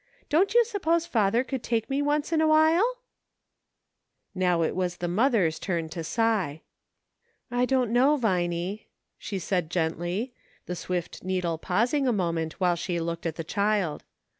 Don't you suppose father could take me once in awhile ?" Now it was the mother's turn to sigh. "I don't know, Vinie," she said, gently, the swift needle pausing a moment while she looked at the child.